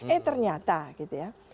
eh ternyata gitu ya